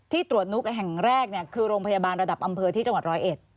ตรวจนุกแห่งแรกเนี่ยคือโรงพยาบาลระดับอำเภอที่จังหวัดร้อยเอ็ด